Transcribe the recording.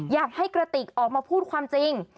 อยากให้กระติกออกมาพูดความจริง